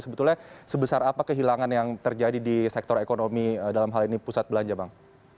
sebetulnya sebesar apa kehilangan yang terjadi di sektor ekonomi dalam hal ini pusat belanja bang